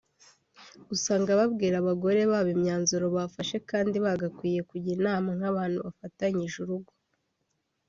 usanga babwira abagore babo imyanzuro bafashe kandi bagakwiye kujya inama nk’abantu bafatanyije urugo